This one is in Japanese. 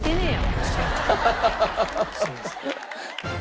すいません。